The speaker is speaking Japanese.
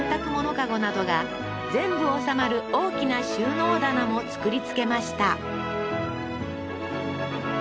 カゴなどが全部収まる大きな収納棚も作りつけました